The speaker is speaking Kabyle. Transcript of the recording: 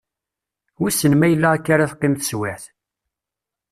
Wissen ma yella akka ara teqqim teswiɛt.